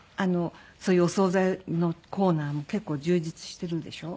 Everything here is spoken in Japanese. そういうお総菜のコーナーも結構充実してるでしょ？